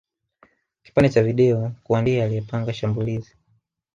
kipande cha video kuwa ndiye aliyepanga shambulizi